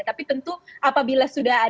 tapi tentu apabila sudah ada